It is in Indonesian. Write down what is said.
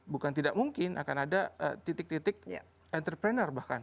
bukan tidak mungkin akan ada titik titik entrepreneur bahkan